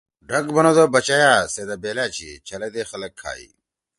ڈھک بنَدُو: ”بچئیأ! سے دا بیلأ چھی! چھلیدے خلگ کھائی۔